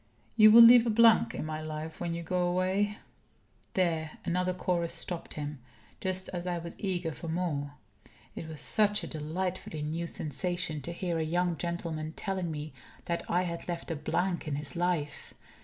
"You will leave a blank in my life when you go away " There another chorus stopped him, just as I was eager for more. It was such a delightfully new sensation to hear a young gentleman telling me that I had left a blank in his life.